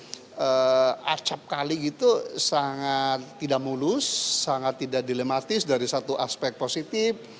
setiap kali gitu sangat tidak mulus sangat tidak dilematis dari satu aspek positif